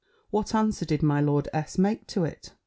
"What answer did my Lord S. make to it?"